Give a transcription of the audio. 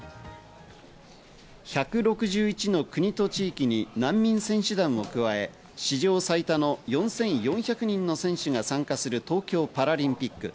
１６１の国と地域に難民選手団を加え、史上最多の４４００人の選手が参加する東京パラリンピック。